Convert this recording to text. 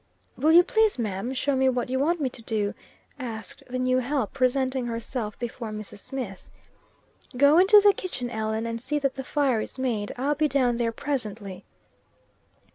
"Will you please, ma'am, show me what you want me to do?" asked the new help, presenting herself before Mrs. Smith. "Go into the kitchen, Ellen, and see that the fire is made. I'll be down there presently."